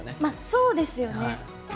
そうですよね。